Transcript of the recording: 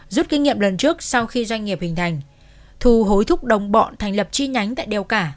rút kinh nghiệm lần trước sau khi doanh nghiệp hình thành thu hối thúc đồng bọn thành lập chi nhánh tại đèo cả